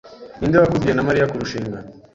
Ninde wakubwiye na Mariya kurushinga?